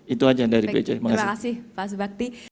itu saja dari saya terima kasih